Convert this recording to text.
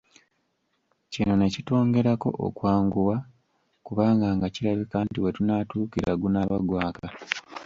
Kino ne kitwongerako okwanguwa, kubanga nga kirabika nti we tunaatuukira gunaaba gwaka.